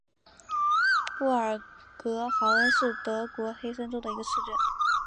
布尔格豪恩是德国黑森州的一个市镇。